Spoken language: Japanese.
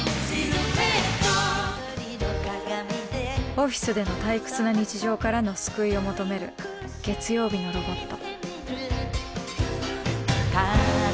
オフィスでの退屈な日常からの救いを求める「月曜日のロボット」。